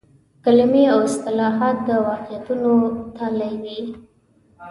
کلمې او اصطلاحات د واقعیتونو تالي وي.